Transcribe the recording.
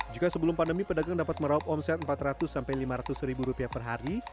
jika sebelum pandemi pedagang dapat meraup omset empat ratus sampai lima ratus ribu rupiah per hari